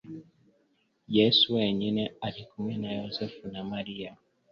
Yesu wenyine ari kumwe na Yosefu na Mariya,